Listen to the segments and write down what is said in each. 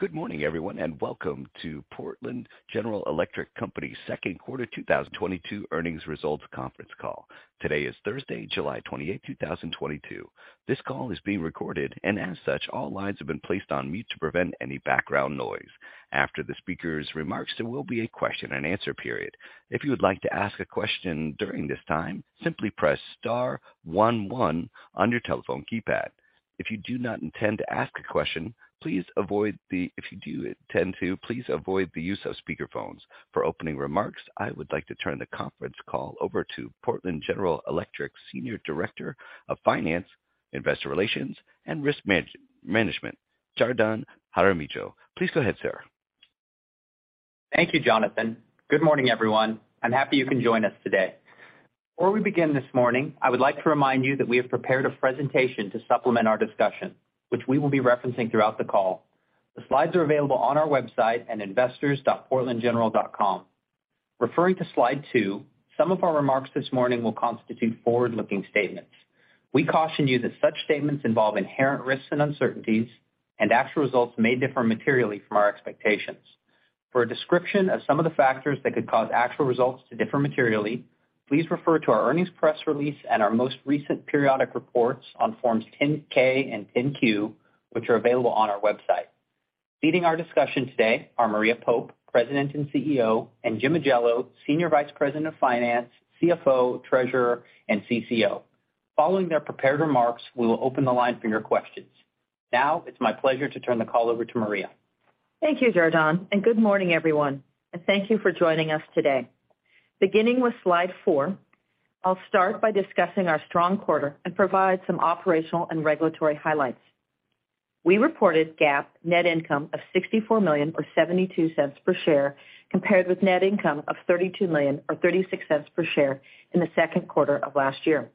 Good morning, everyone, and welcome to Portland General Electric Company's second quarter 2022 earnings results conference call. Today is Thursday, July 28, 2022. This call is being recorded, and as such, all lines have been placed on mute to prevent any background noise. After the speaker's remarks, there will be a question-and-answer period. If you would like to ask a question during this time, simply press star one one on your telephone keypad. If you do intend to, please avoid the use of speakerphones. For opening remarks, I would like to turn the conference call over to Portland General Electric's Senior Director of Finance, Investor Relations, and Risk Management, Jardon Jaramillo. Please go ahead, sir. Thank you, Jonathan. Good morning, everyone. I'm happy you can join us today. Before we begin this morning, I would like to remind you that we have prepared a presentation to supplement our discussion, which we will be referencing throughout the call. The slides are available on our website at investors.portlandgeneral.com. Referring to slide two, some of our remarks this morning will constitute forward-looking statements. We caution you that such statements involve inherent risks and uncertainties, and actual results may differ materially from our expectations. For a description of some of the factors that could cause actual results to differ materially, please refer to our earnings press release and our most recent periodic reports on Forms 10-K and 10-Q, which are available on our website. Leading our discussion today are Maria Pope, President and CEO, and Jim Ajello, Senior Vice President of Finance, CFO, Treasurer, and CCO. Following their prepared remarks, we will open the line for your questions. Now it's my pleasure to turn the call over to Maria. Thank you, Jardon, and good morning, everyone, and thank you for joining us today. Beginning with slide four, I'll start by discussing our strong quarter and provide some operational and regulatory highlights. We reported GAAP net income of $64 million, or $0.72 per share, compared with net income of $32 million, or $0.36 per share in the second quarter of last year.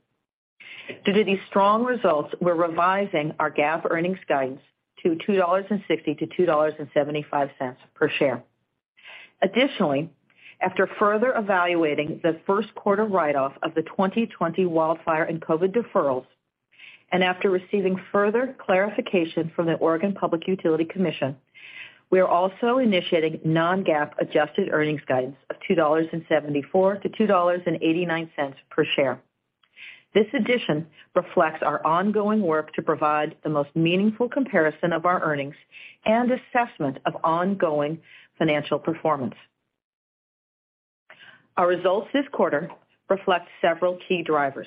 Due to these strong results, we're revising our GAAP earnings guidance to $2.60-$2.75 per share. Additionally, after further evaluating the first quarter write-off of the 2020 wildfire and COVID deferrals, and after receiving further clarification from the Oregon Public Utility Commission, we are also initiating non-GAAP adjusted earnings guidance of $2.74-$2.89 per share. This addition reflects our ongoing work to provide the most meaningful comparison of our earnings and assessment of ongoing financial performance. Our results this quarter reflect several key drivers.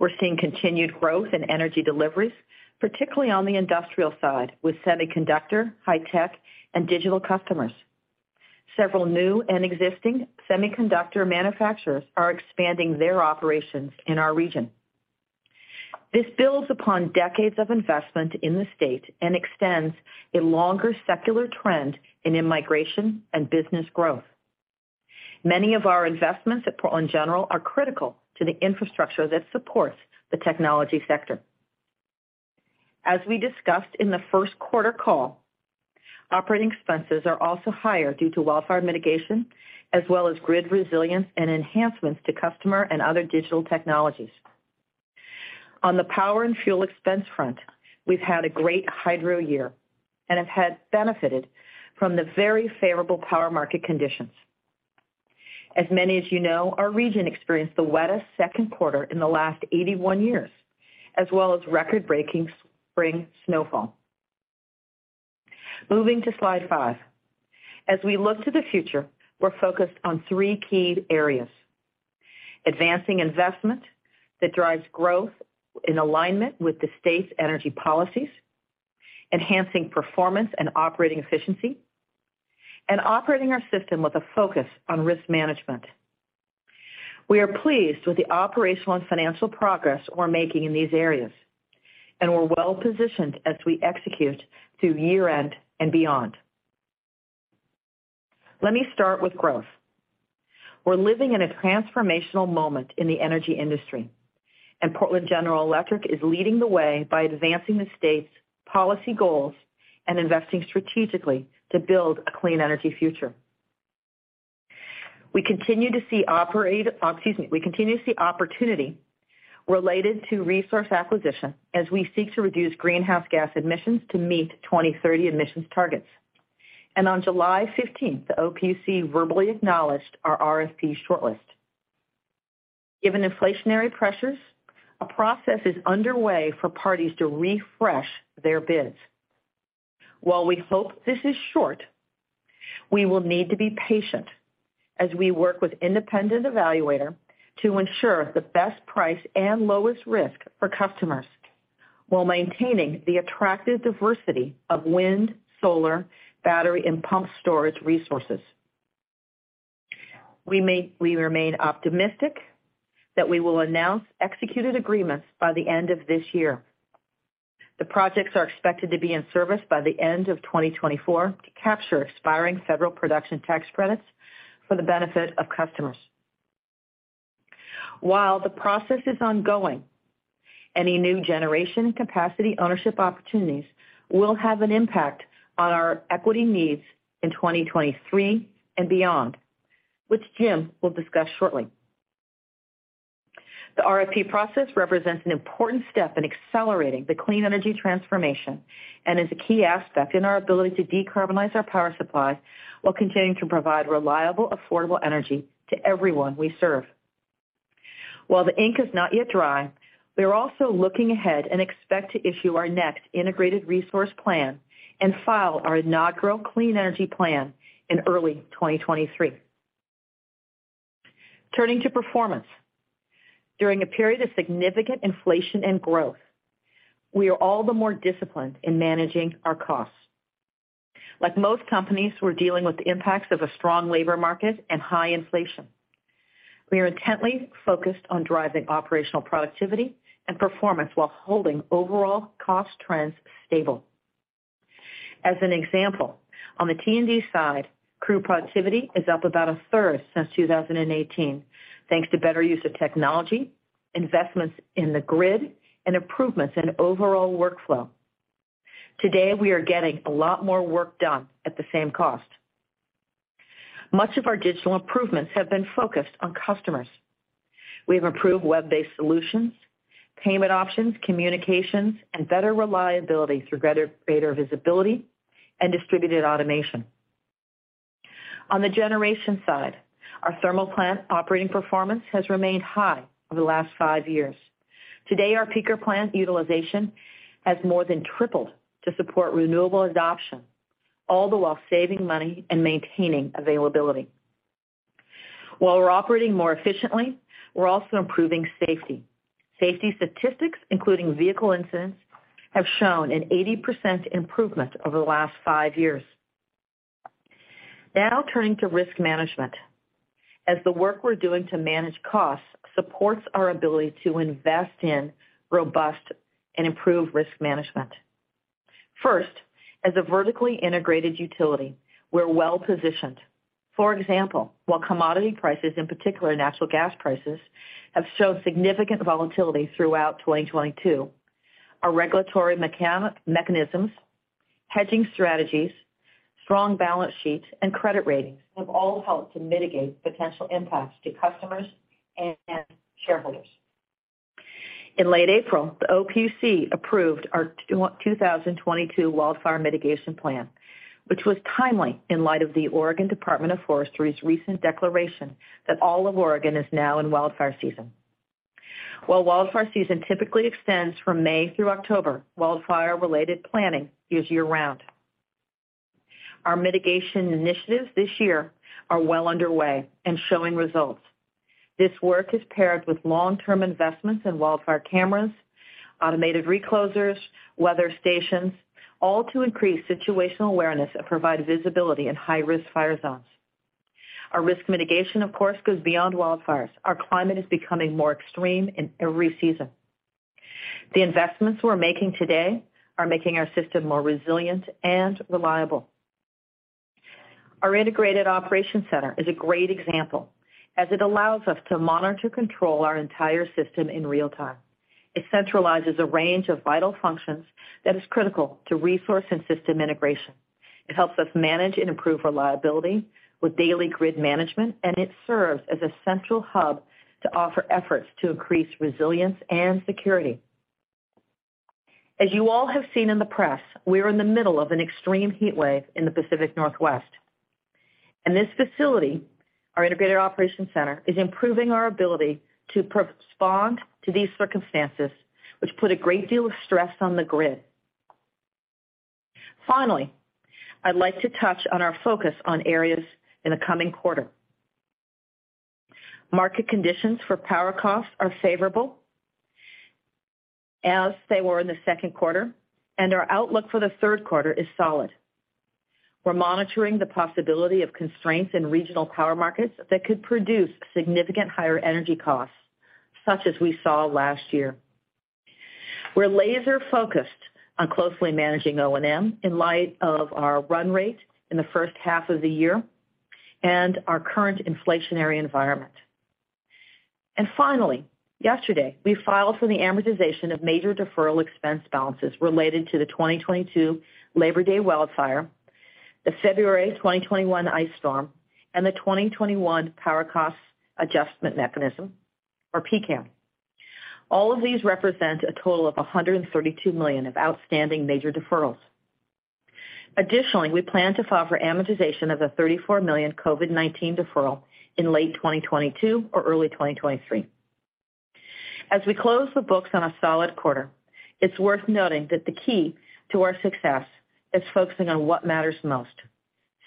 We're seeing continued growth in energy deliveries, particularly on the industrial side with semiconductor, high-tech, and digital customers. Several new and existing semiconductor manufacturers are expanding their operations in our region. This builds upon decades of investment in the state and extends a longer secular trend in immigration and business growth. Many of our investments at Portland General are critical to the infrastructure that supports the technology sector. As we discussed in the first quarter call, operating expenses are also higher due to wildfire mitigation as well as grid resilience and enhancements to customer and other digital technologies. On the power and fuel expense front, we've had a great hydro year and have had benefited from the very favorable power market conditions. As many of you know, our region experienced the wettest second quarter in the last 81 years, as well as record-breaking spring snowfall. Moving to slide five. As we look to the future, we're focused on three key areas, advancing investment that drives growth in alignment with the state's energy policies, enhancing performance and operating efficiency, and operating our system with a focus on risk management. We are pleased with the operational and financial progress we're making in these areas, and we're well positioned as we execute through year-end and beyond. Let me start with growth. We're living in a transformational moment in the energy industry, and Portland General Electric is leading the way by advancing the state's policy goals and investing strategically to build a clean energy future. We continue to see opportunity related to resource acquisition as we seek to reduce greenhouse gas emissions to meet 2030 emissions targets. On July 15th, the OPUC verbally acknowledged our RFP shortlist. Given inflationary pressures, a process is underway for parties to refresh their bids. While we hope this is short, we will need to be patient as we work with independent evaluator to ensure the best price and lowest risk for customers while maintaining the attractive diversity of wind, solar, battery, and pump storage resources. We remain optimistic that we will announce executed agreements by the end of this year. The projects are expected to be in service by the end of 2024 to capture expiring federal production tax credits for the benefit of customers. While the process is ongoing, any new generation capacity ownership opportunities will have an impact on our equity needs in 2023 and beyond, which Jim will discuss shortly. The RFP process represents an important step in accelerating the clean energy transformation and is a key aspect in our ability to decarbonize our power supply while continuing to provide reliable, affordable energy to everyone we serve. While the ink is not yet dry, we are also looking ahead and expect to issue our next integrated resource plan and file our inaugural clean energy plan in early 2023. Turning to performance. During a period of significant inflation and growth, we are all the more disciplined in managing our costs. Like most companies, we're dealing with the impacts of a strong labor market and high inflation. We are intently focused on driving operational productivity and performance while holding overall cost trends stable. As an example, on the T&D side, crew productivity is up about a third since 2018 thanks to better use of technology, investments in the grid, and improvements in overall workflow. Today, we are getting a lot more work done at the same cost. Much of our digital improvements have been focused on customers. We have improved web-based solutions, payment options, communications, and better reliability through greater visibility and distributed automation. On the generation side, our thermal plant operating performance has remained high over the last five years. Today, our peaker plant utilization has more than tripled to support renewable adoption, all the while saving money and maintaining availability. While we're operating more efficiently, we're also improving safety. Safety statistics, including vehicle incidents, have shown an 80% improvement over the last five years. Now turning to risk management, as the work we're doing to manage costs supports our ability to invest in robust and improved risk management. First, as a vertically integrated utility, we're well-positioned. For example, while commodity prices, in particular natural gas prices, have shown significant volatility throughout 2022, our regulatory mechanisms, hedging strategies, strong balance sheet, and credit ratings have all helped to mitigate potential impacts to customers and shareholders. In late April, the OPUC approved our 2022 Wildfire Mitigation Plan, which was timely in light of the Oregon Department of Forestry's recent declaration that all of Oregon is now in wildfire season. While wildfire season typically extends from May through October, wildfire-related planning is year-round. Our mitigation initiatives this year are well underway and showing results. This work is paired with long-term investments in wildfire cameras, automated reclosers, weather stations, all to increase situational awareness and provide visibility in high-risk fire zones. Our risk mitigation, of course, goes beyond wildfires. Our climate is becoming more extreme in every season. The investments we're making today are making our system more resilient and reliable. Our integrated operations center is a great example, as it allows us to monitor, control our entire system in real time. It centralizes a range of vital functions that is critical to resource and system integration. It helps us manage and improve reliability with daily grid management, and it serves as a central hub to oversee efforts to increase resilience and security. As you all have seen in the press, we are in the middle of an extreme heat wave in the Pacific Northwest. This facility, our integrated operations center, is improving our ability to respond to these circumstances, which put a great deal of stress on the grid. Finally, I'd like to touch on our focus on areas in the coming quarter. Market conditions for power costs are favorable, as they were in the second quarter, and our outlook for the third quarter is solid. We're monitoring the possibility of constraints in regional power markets that could produce significant higher energy costs, such as we saw last year. We're laser-focused on closely managing O&M in light of our run rate in the first half of the year and our current inflationary environment. Finally, yesterday, we filed for the amortization of major deferral expense balances related to the 2020 Labor Day wildfire, the February 2021 ice storm, and the 2021 power cost adjustment mechanism, or PCAM. All of these represent a total of $132 million of outstanding major deferrals. Additionally, we plan to file for amortization of the $34 million COVID-19 deferral in late 2022 or early 2023. As we close the books on a solid quarter, it's worth noting that the key to our success is focusing on what matters most,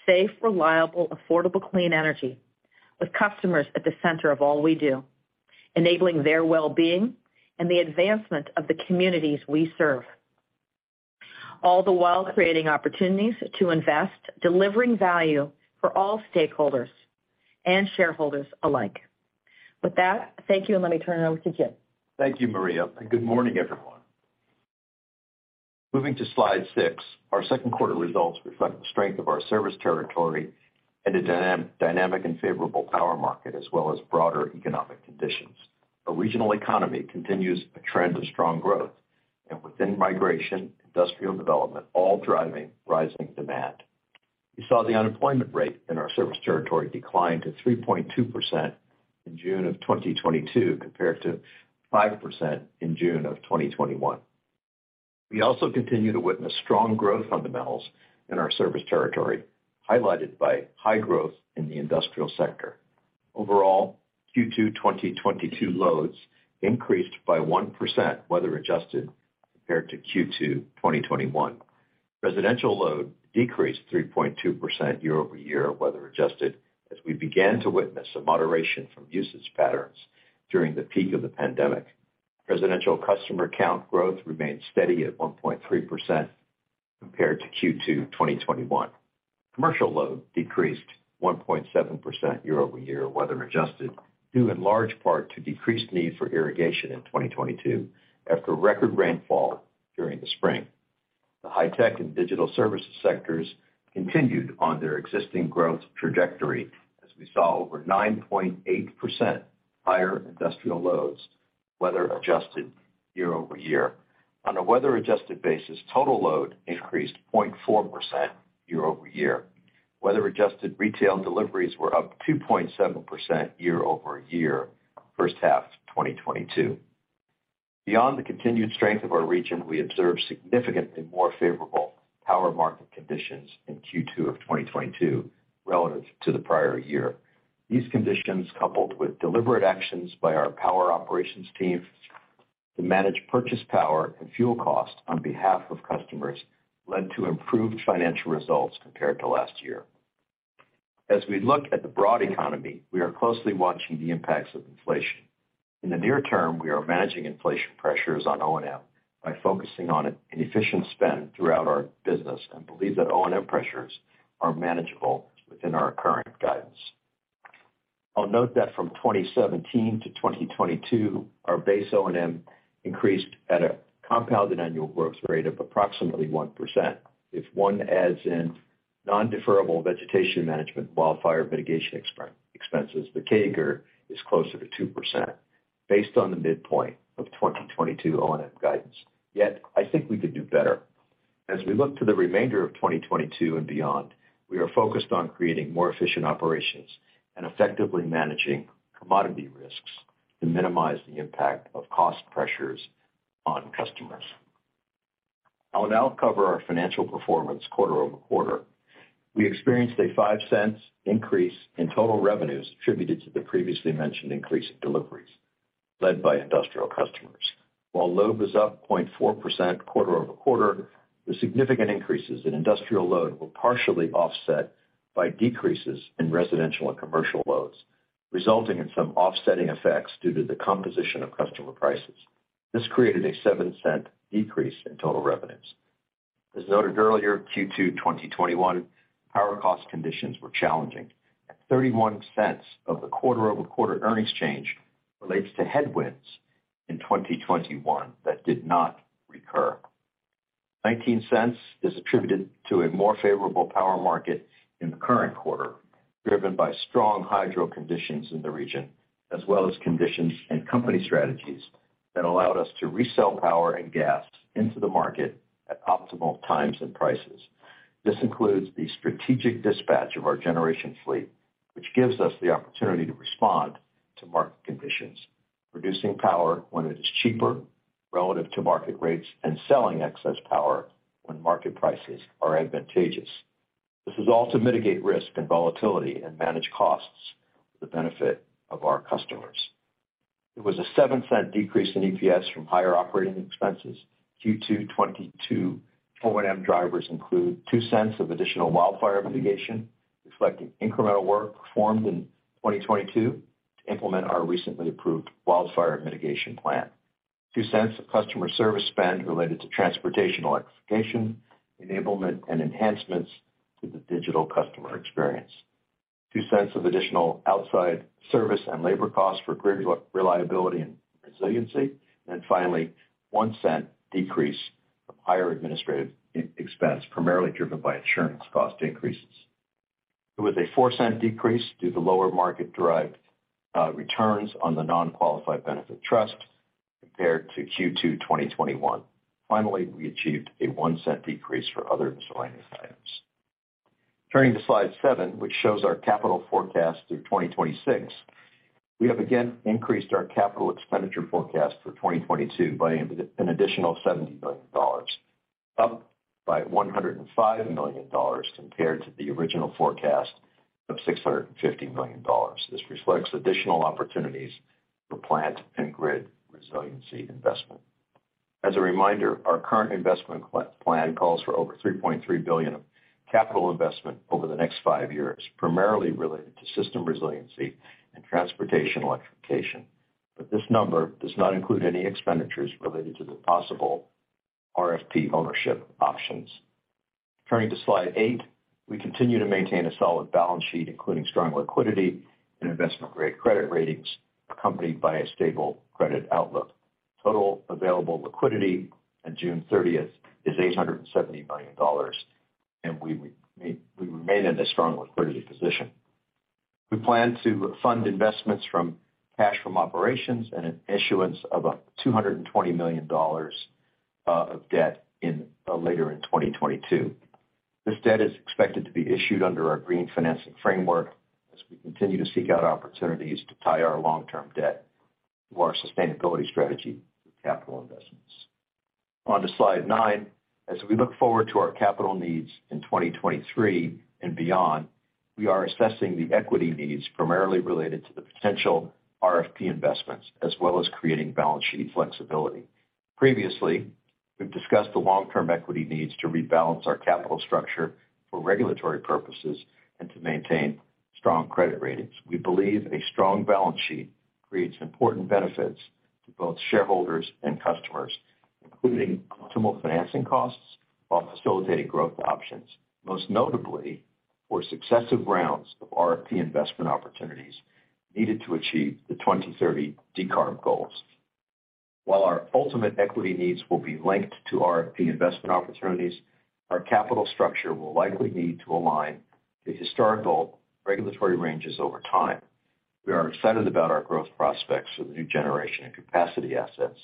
safe, reliable, affordable clean energy, with customers at the center of all we do, enabling their well-being and the advancement of the communities we serve, all the while creating opportunities to invest, delivering value for all stakeholders and shareholders alike. With that, thank you, and let me turn it over to Jim. Thank you, Maria, and good morning, everyone. Moving to slide six, our second quarter results reflect the strength of our service territory and a dynamic and favorable power market as well as broader economic conditions. The regional economy continues a trend of strong growth, and within migration, industrial development, all driving rising demand. We saw the unemployment rate in our service territory decline to 3.2% in June of 2022, compared to 5% in June of 2021. We also continue to witness strong growth fundamentals in our service territory, highlighted by high growth in the industrial sector. Overall, Q2 2022 loads increased by 1% weather adjusted compared to Q2 2021. Residential load decreased 3.2% year-over-year, weather adjusted, as we began to witness a moderation from usage patterns during the peak of the pandemic. Residential customer count growth remained steady at 1.3% compared to Q2 2021. Commercial load decreased 1.7% year-over-year, weather adjusted, due in large part to decreased need for irrigation in 2022 after record rainfall during the spring. The high-tech and digital services sectors continued on their existing growth trajectory as we saw over 9.8% higher industrial loads, weather adjusted year-over-year. On a weather adjusted basis, total load increased 0.4% year-over-year. Weather adjusted retail deliveries were up 2.7% year-over-year first half 2022. Beyond the continued strength of our region, we observed significantly more favorable power market conditions in Q2 of 2022 relative to the prior year. These conditions, coupled with deliberate actions by our power operations team to manage purchased power and fuel cost on behalf of customers, led to improved financial results compared to last year. As we look at the broad economy, we are closely watching the impacts of inflation. In the near term, we are managing inflation pressures on O&M by focusing on an efficient spend throughout our business and believe that O&M pressures are manageable within our current guidance. I'll note that from 2017 to 2022, our base O&M increased at a compounded annual growth rate of approximately 1%. If one adds in non-deferrable vegetation management wildfire mitigation expenses, the CAGR is closer to 2% based on the midpoint of 2022 O&M guidance. Yet, I think we could do better. As we look to the remainder of 2022 and beyond, we are focused on creating more efficient operations and effectively managing commodity risks to minimize the impact of cost pressures on customers. I will now cover our financial performance quarter-over-quarter. We experienced a $0.05 increase in total revenues attributed to the previously mentioned increase in deliveries led by industrial customers. While load was up 0.4% quarter-over-quarter, the significant increases in industrial load were partially offset by decreases in residential and commercial loads, resulting in some offsetting effects due to the composition of customer prices. This created a $0.07 decrease in total revenues. As noted earlier, Q2 2021 power cost conditions were challenging, and $0.31 of the quarter-over-quarter earnings change relates to headwinds in 2021 that did not recur. $0.19 is attributed to a more favorable power market in the current quarter, driven by strong hydro conditions in the region, as well as conditions and company strategies that allowed us to resell power and gas into the market at optimal times and prices. This includes the strategic dispatch of our generation fleet, which gives us the opportunity to respond to market conditions, producing power when it is cheaper relative to market rates, and selling excess power when market prices are advantageous. This is all to mitigate risk and volatility and manage costs for the benefit of our customers. There was a $0.07 decrease in EPS from higher operating expenses Q2 2022. O&M drivers include $0.02 of additional wildfire mitigation, reflecting incremental work performed in 2022 to implement our recently approved wildfire mitigation plan. $0.02 of customer service spend related to transportation electrification, enablement and enhancements to the digital customer experience. $0.02 of additional outside service and labor costs for grid reliability and resiliency. One cent decrease from higher administrative expense, primarily driven by insurance cost increases. There was a $0.04 decrease due to lower market-derived returns on the non-qualified benefit trust compared to Q2 2021. Finally, we achieved a $0.01 decrease for other miscellaneous items. Turning to slide seven, which shows our capital forecast through 2026. We have again increased our capital expenditure forecast for 2022 by an additional $70 million, up by $105 million compared to the original forecast of $650 million. This reflects additional opportunities for plant and grid resiliency investment. As a reminder, our current investment plan calls for over $3.3 billion of capital investment over the next five years, primarily related to system resiliency and transportation electrification. This number does not include any expenditures related to the possible RFP ownership options. Turning to slide eight. We continue to maintain a solid balance sheet, including strong liquidity and investment-grade credit ratings, accompanied by a stable credit outlook. Total available liquidity on June 30th is $870 million, and we remain in a strong liquidity position. We plan to fund investments from cash from operations and an issuance of $220 million of debt later in 2022. This debt is expected to be issued under our green financing framework as we continue to seek out opportunities to tie our long-term debt to our sustainability strategy for capital investments. On to slide nine. As we look forward to our capital needs in 2023 and beyond, we are assessing the equity needs primarily related to the potential RFP investments as well as creating balance sheet flexibility. Previously, we've discussed the long-term equity needs to rebalance our capital structure for regulatory purposes and to maintain strong credit ratings. We believe a strong balance sheet creates important benefits to both shareholders and customers, including optimal financing costs while facilitating growth options, most notably for successive rounds of RFP investment opportunities needed to achieve the 2030 decarb goals. While our ultimate equity needs will be linked to RFP investment opportunities, our capital structure will likely need to align the historical regulatory ranges over time. We are excited about our growth prospects for the new generation and capacity assets,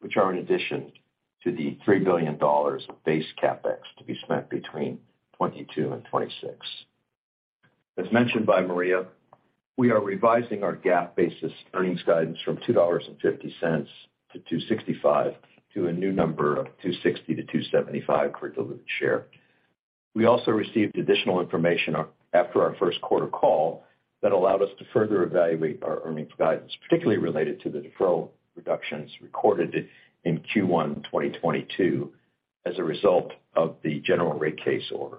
which are in addition to the $3 billion of base CapEx to be spent between 2022 and 2026. As mentioned by Maria, we are revising our GAAP-based earnings guidance from $2.50 to $2.65 to a new number of $2.60-$2.75 per diluted share. We also received additional information after our first quarter call that allowed us to further evaluate our earnings guidance, particularly related to the deferral reductions recorded in Q1 2022 as a result of the general rate case order.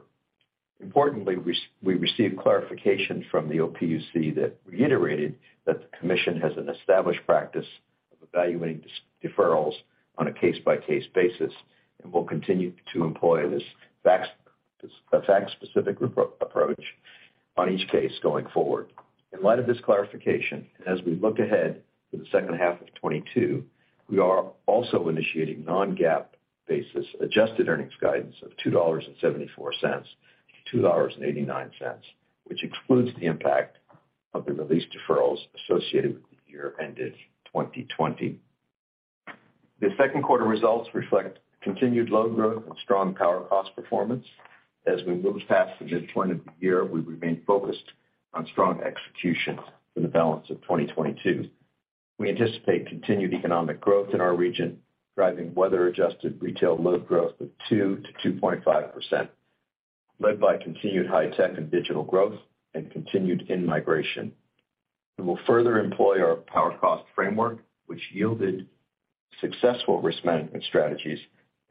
Importantly, we received clarification from the OPUC that reiterated that the commission has an established practice of evaluating deferrals on a case-by-case basis and will continue to employ a fact-specific approach on each case going forward. In light of this clarification, and as we look ahead to the second half of 2022, we are also initiating non-GAAP basis adjusted earnings guidance of $2.74-$2.89, which excludes the impact of the released deferrals associated with the year ended 2020. The second quarter results reflect continued load growth and strong power cost performance. As we move past the midpoint of the year, we remain focused on strong execution for the balance of 2022. We anticipate continued economic growth in our region, driving weather-adjusted retail load growth of 2%-2.5%, led by continued high-tech and digital growth and continued in-migration. We will further employ our power cost framework, which yielded successful risk management strategies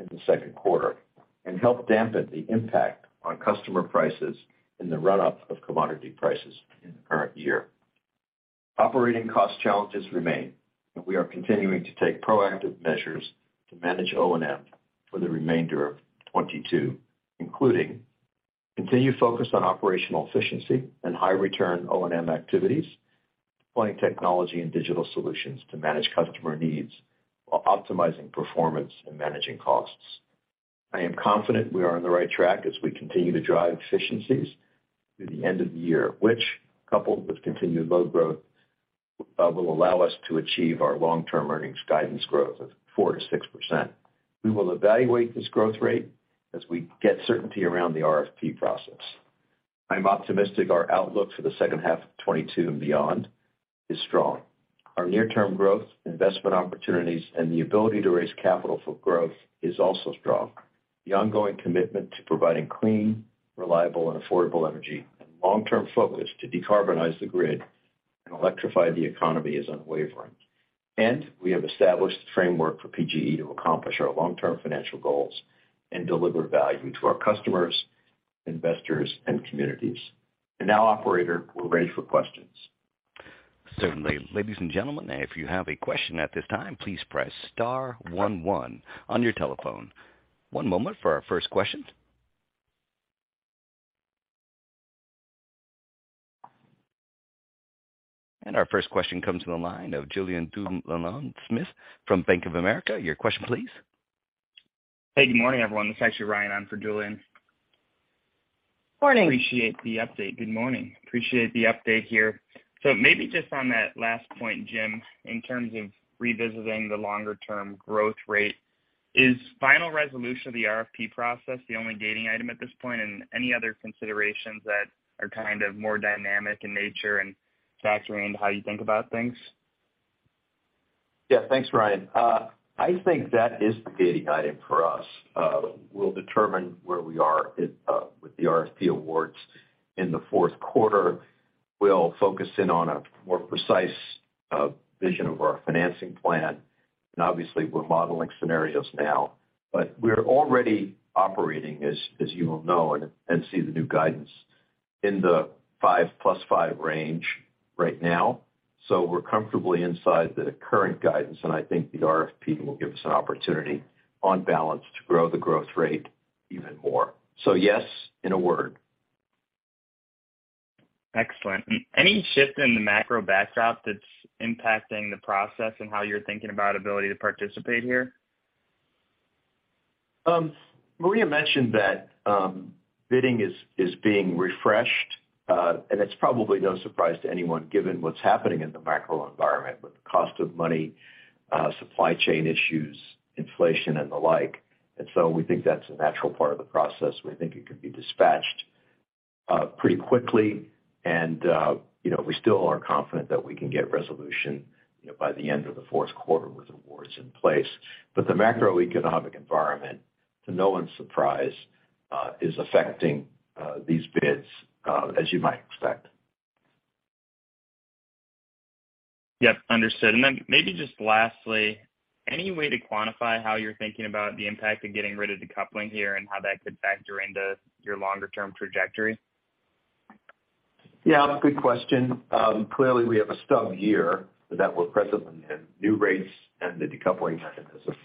in the second quarter and helped dampen the impact on customer prices in the run-up of commodity prices in the current year. Operating cost challenges remain, and we are continuing to take proactive measures to manage O&M for the remainder of 2022, including continued focus on operational efficiency and high-return O&M activities, deploying technology and digital solutions to manage customer needs while optimizing performance and managing costs. I am confident we are on the right track as we continue to drive efficiencies through the end of the year, which, coupled with continued load growth, will allow us to achieve our long-term earnings guidance growth of 4%-6%. We will evaluate this growth rate as we get certainty around the RFP process. I'm optimistic our outlook for the second half of 2022 and beyond is strong. Our near-term growth, investment opportunities, and the ability to raise capital for growth is also strong. The ongoing commitment to providing clean, reliable, and affordable energy and long-term focus to decarbonize the grid and electrify the economy is unwavering. We have established the framework for PGE to accomplish our long-term financial goals and deliver value to our customers, investors, and communities. Now, operator, we're ready for questions. Certainly. Ladies and gentlemen, if you have a question at this time, please press star one one on your telephone. One moment for our first question. Our first question comes from the line of Julien Dumoulin-Smith from Bank of America. Your question please. Hey, good morning, everyone. It's actually Ryan on for Julien. Morning. Appreciate the update. Good morning. Appreciate the update here. Maybe just on that last point, Jim, in terms of revisiting the longer-term growth rate, is final resolution of the RFP process the only gating item at this point? Any other considerations that are kind of more dynamic in nature and factor into how you think about things? Yeah. Thanks, Ryan. I think that is the gating item for us. We'll determine where we are at with the RFP awards in the fourth quarter. We'll focus in on a more precise vision of our financing plan. Obviously we're modeling scenarios now, but we're already operating, as you will know and see the new guidance, in the 5+5 range right now. We're comfortably inside the current guidance, and I think the RFP will give us an opportunity on balance to grow the growth rate even more. Yes, in a word. Excellent. Any shift in the macro backdrop that's impacting the process and how you're thinking about ability to participate here? Maria mentioned that bidding is being refreshed, and it's probably no surprise to anyone given what's happening in the macro environment with the cost of money, supply chain issues, inflation, and the like. We think that's a natural part of the process. We think it can be dispatched pretty quickly, and you know, we still are confident that we can get resolution, you know, by the end of the fourth quarter with awards in place. The macroeconomic environment, to no one's surprise, is affecting these bids as you might expect. Yep, understood. Maybe just lastly, any way to quantify how you're thinking about the impact of getting rid of decoupling here and how that could factor into your longer-term trajectory? Yeah, good question. Clearly we have a stub year that we're presently in. New rates and the decoupling mechanisms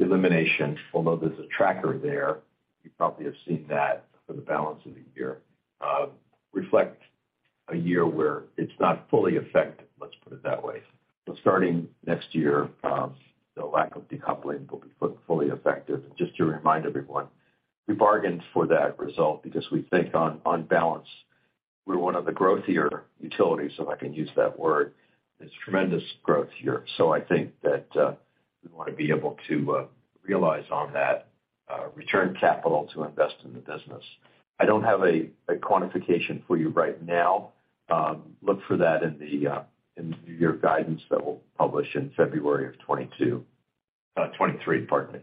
elimination, although there's a tracker there, you probably have seen that for the balance of the year, reflect a year where it's not fully effective, let's put it that way. Starting next year, the lack of decoupling will be fully effective. Just to remind everyone, we bargained for that result because we think on balance, we're one of the growthier utilities, if I can use that word. There's tremendous growth here. I think that we wanna be able to realize on that, return capital to invest in the business. I don't have a quantification for you right now. Look for that in the year guidance that we'll publish in February of 2022, no 2023, pardon me.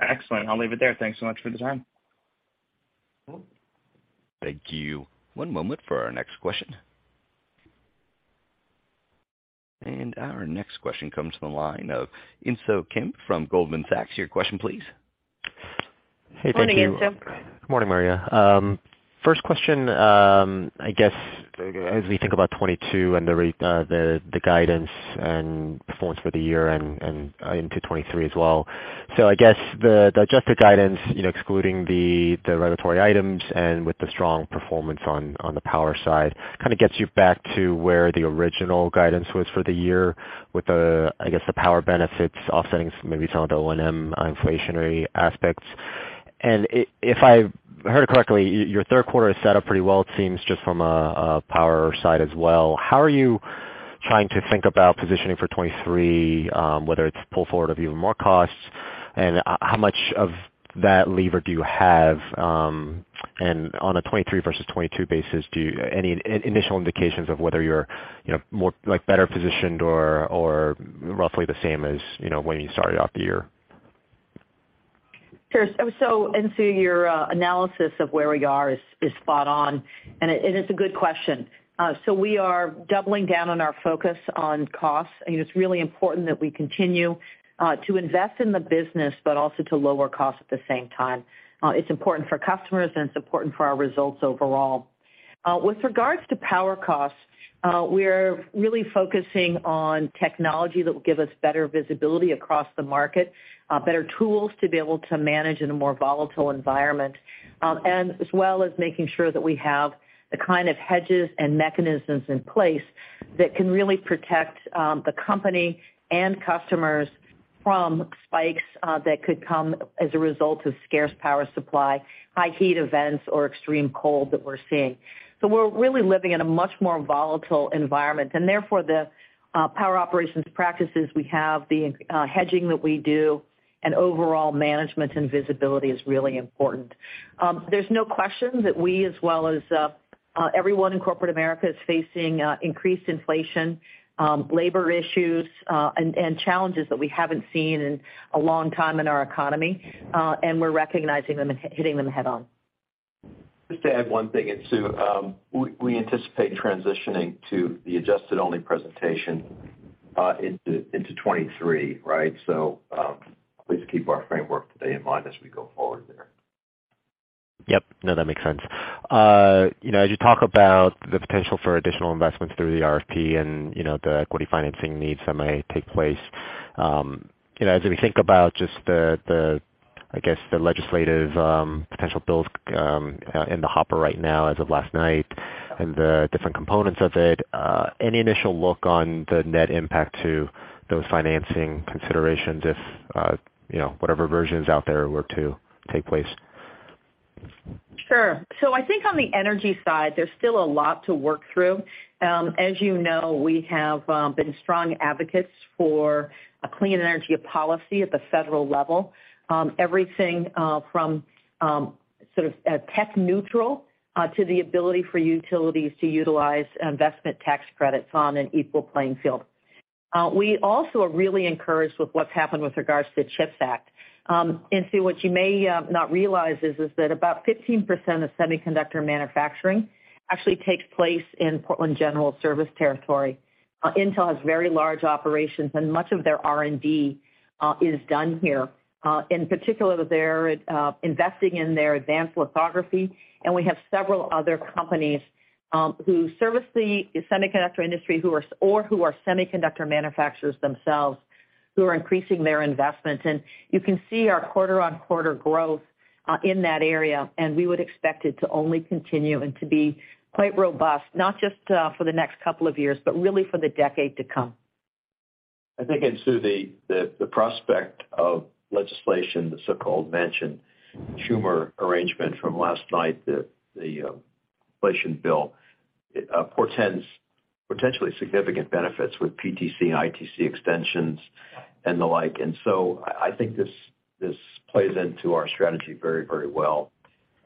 Excellent. I'll leave it there. Thanks so much for the time. Cool. Thank you. One moment for our next question. Our next question comes from the line of Insoo Kim from Goldman Sachs. Your question please. Hey, thank you. Morning, Insoo. Morning, Maria. First question, I guess as we think about 2022 and the guidance and performance for the year and into 2023 as well. I guess the adjusted guidance, you know, excluding the regulatory items and with the strong performance on the power side, kind of gets you back to where the original guidance was for the year with the, I guess, the power benefits offsetting maybe some of the O&M inflationary aspects. If I heard correctly, your third quarter is set up pretty well, it seems, just from a power side as well. How are you trying to think about positioning for 2023, whether it's pull forward of even more costs, and how much of that lever do you have, and on a 2023 versus 2022 basis, do you have any initial indications of whether you're, you know, more like better positioned or roughly the same as, you know, when you started off the year? Sure. Insoo, your analysis of where we are is spot on, and it's a good question. We are doubling down on our focus on costs. I think it's really important that we continue to invest in the business but also to lower costs at the same time. It's important for customers, and it's important for our results overall. With regards to power costs, we're really focusing on technology that will give us better visibility across the market, better tools to be able to manage in a more volatile environment, and as well as making sure that we have the kind of hedges and mechanisms in place that can really protect the company and customers from spikes that could come as a result of scarce power supply, high heat events, or extreme cold that we're seeing. We're really living in a much more volatile environment, and therefore, the power operations practices we have, the hedging that we do, and overall management and visibility is really important. There's no question that we as well as everyone in corporate America is facing increased inflation, labor issues, and challenges that we haven't seen in a long time in our economy, and we're recognizing them and hitting them head on. Just to add one thing, Insoo. We anticipate transitioning to the adjusted only presentation into 2023, right? Please keep our framework today in mind as we go forward there. Yep. No, that makes sense. You know, as you talk about the potential for additional investments through the RFP and, you know, the equity financing needs that may take place, you know, as we think about just, I guess, the legislative potential bills in the hopper right now as of last night and the different components of it, any initial look on the net impact to those financing considerations if, you know, whatever version is out there were to take place? I think on the energy side, there's still a lot to work through. As you know, we have been strong advocates for a clean energy policy at the federal level, everything from sort of tech neutral to the ability for utilities to utilize Investment Tax Credits on an equal playing field. We also are really encouraged with what's happened with regards to the CHIPS Act. What you may not realize is that about 15% of semiconductor manufacturing actually takes place in Portland General's service territory. Intel has very large operations, and much of their R&D is done here. In particular, they're investing in their advanced lithography, and we have several other companies who service the semiconductor industry or who are semiconductor manufacturers themselves, who are increasing their investments. You can see our quarter-on-quarter growth in that area, and we would expect it to only continue and to be quite robust, not just for the next couple of years, but really for the decade to come. I think it's through the prospect of legislation, the so-called Manchin-Schumer arrangement from last night, the inflation bill. It portends potentially significant benefits with PTC, ITC extensions and the like. I think this plays into our strategy very, very well,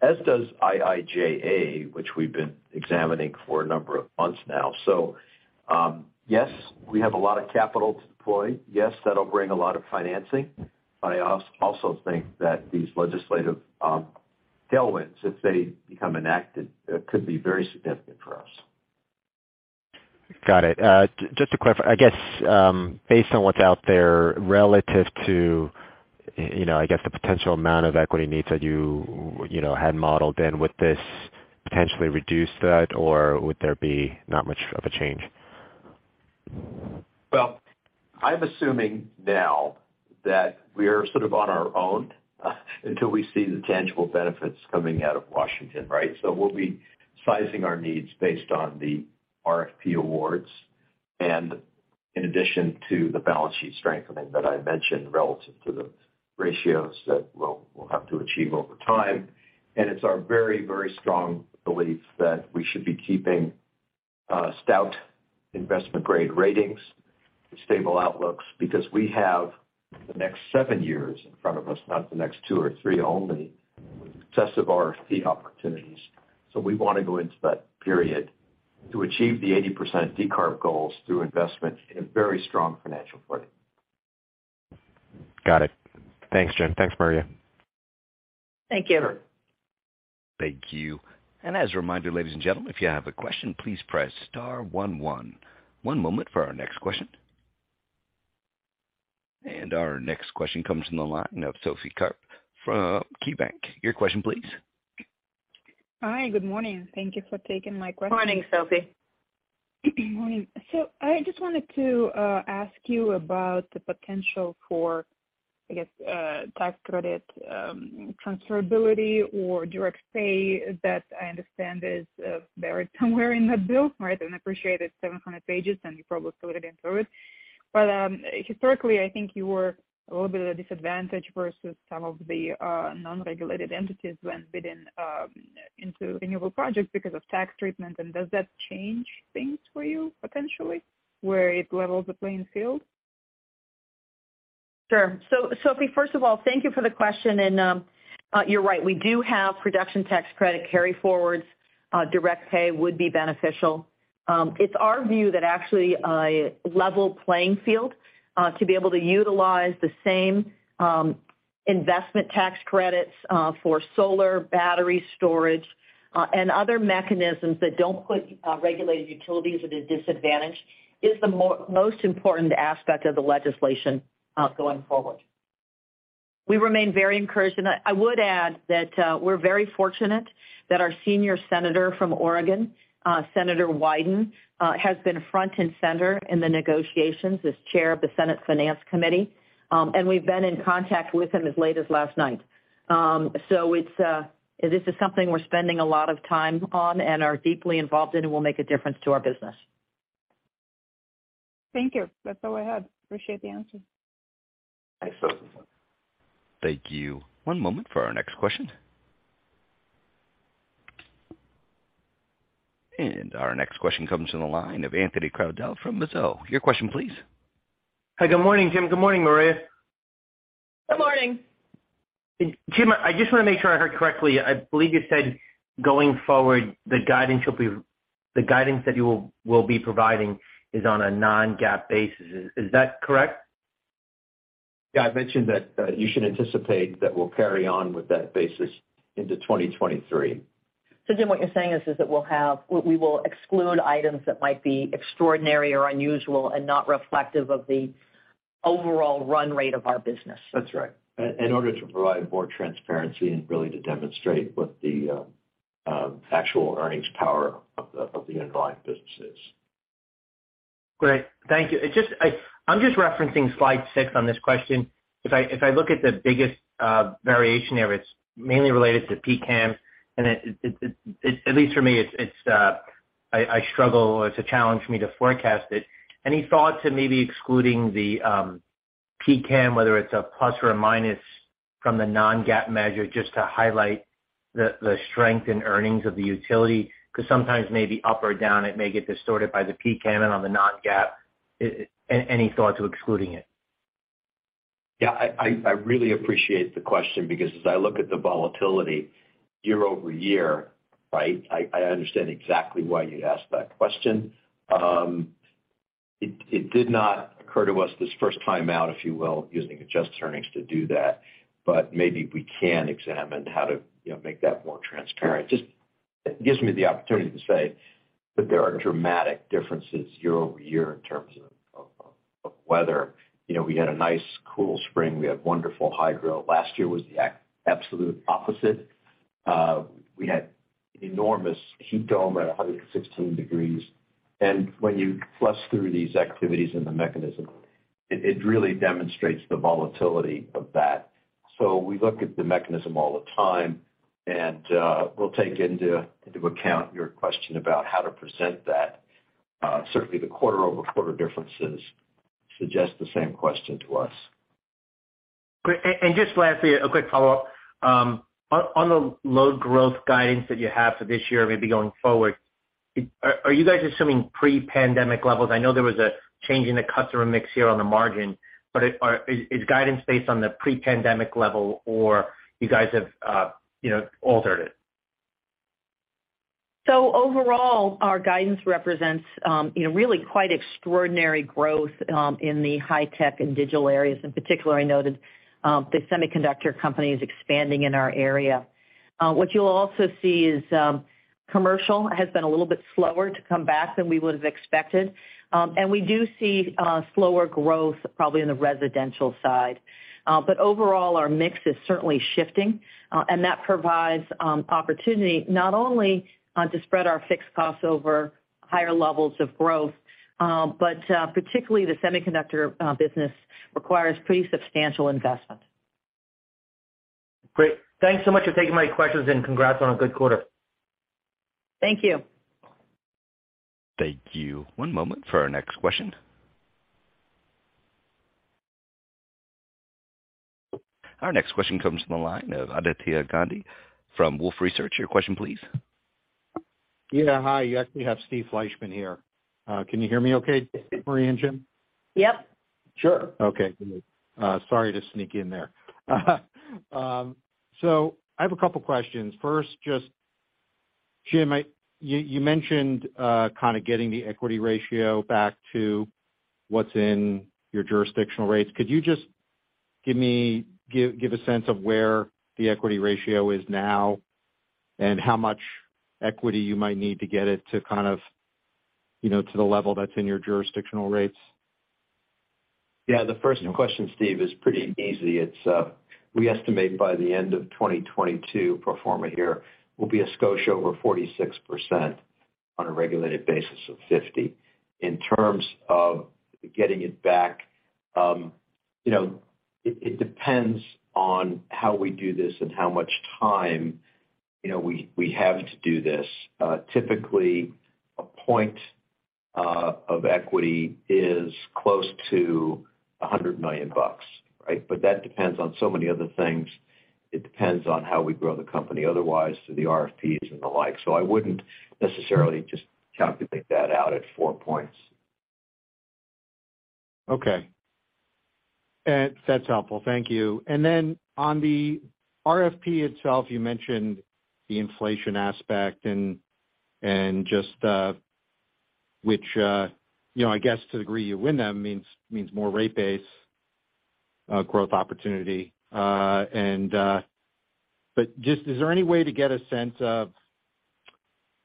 as does IIJA, which we've been examining for a number of months now. Yes, we have a lot of capital to deploy. Yes, that'll bring a lot of financing. I also think that these legislative tailwinds, if they become enacted, could be very significant for us. Got it. Just to clarify, I guess, based on what's out there relative to, you know, I guess, the potential amount of equity needs that you you know had modeled in, would this potentially reduce that, or would there be not much of a change? Well, I'm assuming now that we are sort of on our own until we see the tangible benefits coming out of Washington, right? We'll be sizing our needs based on the RFP awards and in addition to the balance sheet strengthening that I mentioned relative to the ratios that we'll have to achieve over time. It's our very, very strong belief that we should be keeping stout investment-grade ratings with stable outlooks because we have the next seven years in front of us, not the next two or three only, in terms of our key opportunities. We want to go into that period to achieve the 80% decarb goals through investment in a very strong financial footing. Got it. Thanks, Jim. Thanks, Maria. Thank you. Sure. Thank you. As a reminder, ladies and gentlemen, if you have a question, please press star one one. One moment for our next question. Our next question comes from the line of Sophie Karp from KeyBanc. Your question please. Hi. Good morning. Thank you for taking my question. Morning, Sophie. Morning. I just wanted to ask you about the potential for, I guess, tax credit transferability or direct pay that I understand is buried somewhere in that bill, right? I appreciate it's 700 pages, and you probably sifted through it. Historically, I think you were a little bit at a disadvantage versus some of the non-regulated entities when bidding into renewable projects because of tax treatment. Does that change things for you potentially where it levels the playing field? Sure. Sophie, first of all, thank you for the question and, you're right, we do have production tax credit carry-forwards. Direct pay would be beneficial. It's our view that actually a level playing field to be able to utilize the same investment tax credits for solar, battery storage, and other mechanisms that don't put regulated utilities at a disadvantage is the most important aspect of the legislation going forward. We remain very encouraged, and I would add that we're very fortunate that our senior senator from Oregon, Senator Wyden, has been front and center in the negotiations as Chair of the Senate Finance Committee. We've been in contact with him as late as last night. This is something we're spending a lot of time on and are deeply involved in and will make a difference to our business. Thank you. That's all I had. Appreciate the answer. Thanks, Sophie. Thank you. One moment for our next question. Our next question comes from the line of Anthony Crowdell from Mizuho. Your question please. Hi. Good morning, Jim. Good morning, Maria. Good morning. Jim, I just wanna make sure I heard correctly. I believe you said going forward, the guidance that you will be providing is on a non-GAAP basis. Is that correct? Yeah. I mentioned that, you should anticipate that we'll carry on with that basis into 2023. Jim, what you're saying is that we will exclude items that might be extraordinary or unusual and not reflective of the overall run rate of our business. That's right. In order to provide more transparency and really to demonstrate what the actual earnings power of the underlying business is. Great. Thank you. I'm just referencing slide six on this question. If I look at the biggest variation there, it's mainly related to PCAM, and it at least for me, it's a challenge for me to forecast it. Any thought to maybe excluding the PCAM, whether it's a plus or a minus from the non-GAAP measure, just to highlight the strength in earnings of the utility? 'Cause sometimes maybe up or down, it may get distorted by the PCAM and on the non-GAAP. Any thought to excluding it? Yeah. I really appreciate the question because as I look at the volatility year-over-year, right? I understand exactly why you'd ask that question. It did not occur to us this first time out, if you will, using adjusted earnings to do that, but maybe we can examine how to, you know, make that more transparent. Just gives me the opportunity to say that there are dramatic differences year-over-year in terms of weather. You know, we had a nice cool spring. We had wonderful hydro. Last year was the absolute opposite. We had enormous heat dome at 116 degrees Fahrenheit. When you plug through these activities in the mechanism, it really demonstrates the volatility of that. We look at the mechanism all the time, and we'll take into account your question about how to present that. Certainly the quarter-over-quarter differences suggest the same question to us. Great. Just lastly, a quick follow-up. On the load growth guidance that you have for this year, maybe going forward, are you guys assuming pre-pandemic levels? I know there was a change in the customer mix here on the margin, but is guidance based on the pre-pandemic level or you guys have, you know, altered it? Overall, our guidance represents, you know, really quite extraordinary growth in the high-tech and digital areas. In particular, I noted the semiconductor company is expanding in our area. What you'll also see is commercial has been a little bit slower to come back than we would have expected. We do see slower growth probably in the residential side. But overall, our mix is certainly shifting. That provides opportunity not only to spread our fixed costs over higher levels of growth, but particularly the semiconductor business requires pretty substantial investment. Great. Thanks so much for taking my questions and congrats on a good quarter. Thank you. Thank you. One moment for our next question. Our next question comes from the line of Aditya Gandhi from Wolfe Research. Your question, please. Yeah, hi. You actually have Steve Fleishman here. Can you hear me okay, Marie and Jim? Yep. Sure. Okay, good. Sorry to sneak in there. I have a couple questions. First, just Jim, you mentioned kind of getting the equity ratio back to what's in your jurisdictional rates. Could you just give a sense of where the equity ratio is now and how much equity you might need to get it to kind of, you know, to the level that's in your jurisdictional rates? Yeah. The first question, Steve, is pretty easy. It's we estimate by the end of 2022, pro forma here, we'll be a skosh over 46% on a regulated basis of 50%. In terms of getting it back, you know, it depends on how we do this and how much time, you know, we have to do this. Typically, a point of equity is close to $100 million, right? But that depends on so many other things. It depends on how we grow the company otherwise through the RFPs and the like. I wouldn't necessarily just calculate that out at 4 points. Okay. That's helpful. Thank you. Then on the RFP itself, you mentioned the inflation aspect and just you know, I guess to the degree you win them means more rate base growth opportunity, and just is there any way to get a sense of,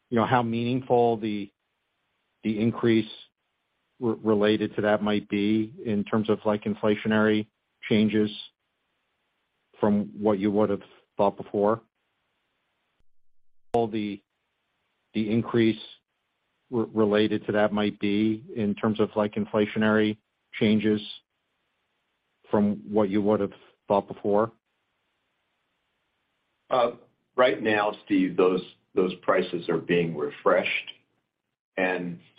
you know, how meaningful the increase related to that might be in terms of like inflationary changes from what you would've thought before? Right now, Steve, those prices are being refreshed.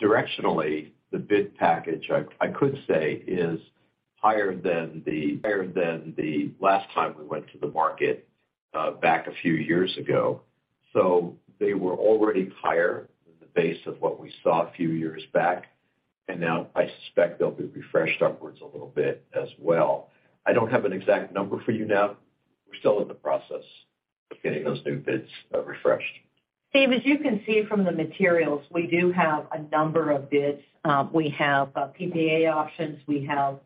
Directionally, the bid package I could say is higher than the last time we went to the market, back a few years ago. They were already higher than the base of what we saw a few years back. Now I suspect they'll be refreshed upwards a little bit as well. I don't have an exact number for you now. We're still in the process of getting those new bids, refreshed. Steve, as you can see from the materials, we do have a number of bids. We have PPA options, we have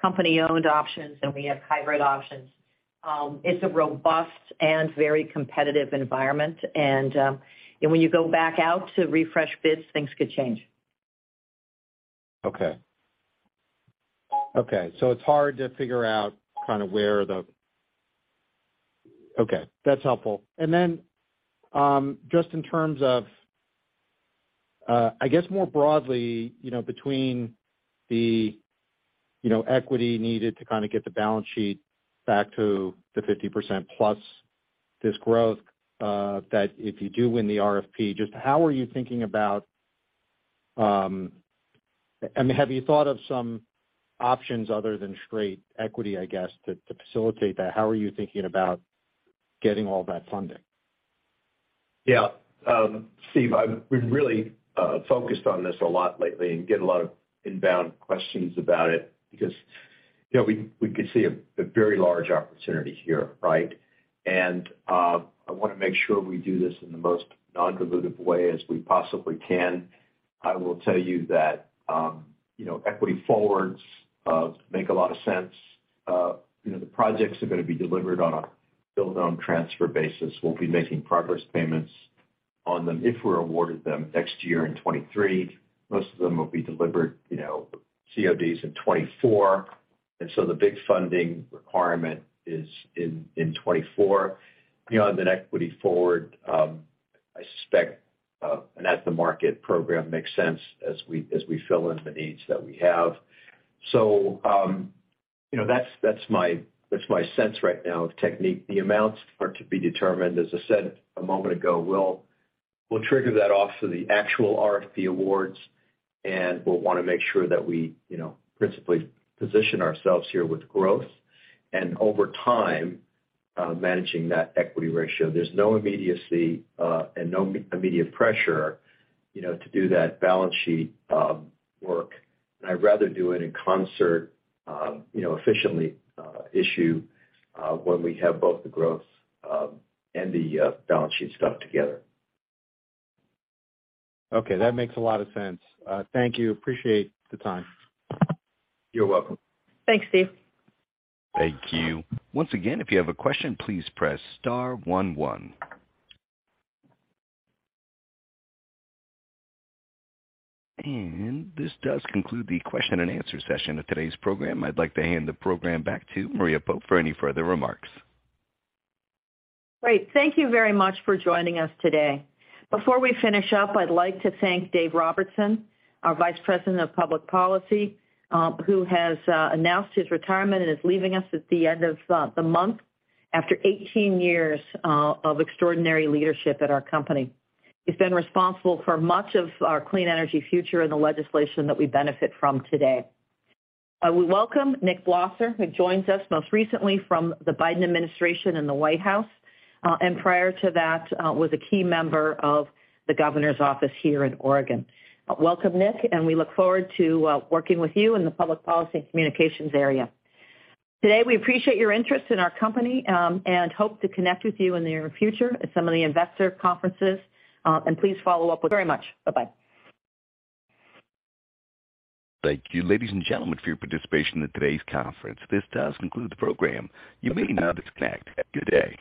company-owned options, and we have hybrid options. It's a robust and very competitive environment. When you go back out to refresh bids, things could change. Okay. Okay. So, it's hard to figure out kinda weird. That's helpful. Just in terms of, I guess more broadly, you know, between the, you know, equity needed to kind of get the balance sheet back to the 50% plus this growth that if you do win the RFP, just how are you thinking about. I mean, have you thought of some options other than straight equity, I guess, to facilitate that? How are you thinking about getting all that funding? Yeah. Steve, we've really focused on this a lot lately and get a lot of inbound questions about it because, you know, we could see a very large opportunity here, right? I wanna make sure we do this in the most non-dilutive way as we possibly can. I will tell you that, you know, Equity Forwards make a lot of sense. You know, the projects are gonna be delivered on a Build-Own-Transfer basis. We'll be making progress payments on them if we're awarded them next year in 2023. Most of them will be delivered, you know, CODs in 2024. The big funding requirement is in 2024. Beyond an Equity Forward, I suspect that the at-the-market program makes sense as we fill in the needs that we have. You know, that's my sense right now of technique. The amounts are to be determined. As I said a moment ago, we'll trigger that off to the actual RFP awards, and we'll wanna make sure that we, you know, principally position ourselves here with growth and over time managing that equity ratio. There's no immediacy and no immediate pressure, you know, to do that balance sheet work. I'd rather do it in concert, you know, efficiently issue when we have both the growth and the balance sheet stuff together. Okay. That makes a lot of sense. Thank you. Appreciate the time. You're welcome. Thanks, Steve. Thank you. Once again, if you have a question, please press star one one. This does conclude the question-and-answer session of today's program. I'd like to hand the program back to Maria Pope for any further remarks. Great. Thank you very much for joining us today. Before we finish up, I'd like to thank Dave Robertson, our Vice President of Public Policy, who has announced his retirement and is leaving us at the end of the month after 18 years of extraordinary leadership at our company. He's been responsible for much of our clean energy future and the legislation that we benefit from today. We welcome Nik Blosser, who joins us most recently from the Biden administration in the White House, and prior to that, was a key member of the governor's office here in Oregon. Welcome, Nik, and we look forward to working with you in the public policy and communications area. Today, we appreciate your interest in our company, and hope to connect with you in the near future at some of the investor conferences, and please follow up with very much. Bye-bye. Thank you, ladies and gentlemen, for your participation in today's conference. This does conclude the program. You may now disconnect. Good day.